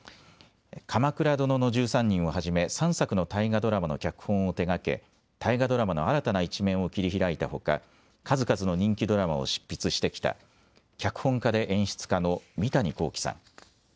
鎌倉殿の１３人をはじめ３作の大河ドラマの脚本を手がけ大河ドラマの新たな一面を切り開いたほか数々の人気ドラマを執筆してきた脚本家で演出家の三谷幸喜さん。